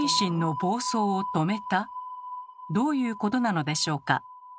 どういうことなのでしょうか。